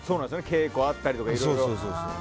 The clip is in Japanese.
稽古があったりとかいろいろね。